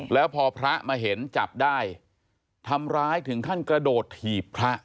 แล้วพอพระมาเห็นจับได้ทำร้ายถึงขั้นกระโดดถีบพระ